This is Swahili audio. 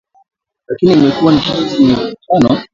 Lakini imekuwa ni kitu chenye mvutano